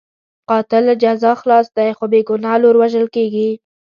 قاتل له جزا خلاص دی، خو بې ګناه لور وژل کېږي.